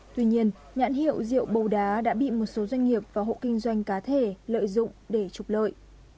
tuy nhiên nhãn hiệu rượu bồ đá đã bị một số doanh nghiệp và hộ kinh doanh cá thể lợi dụng để trục lợi